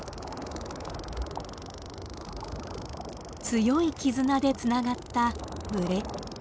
強い絆でつながった群れ。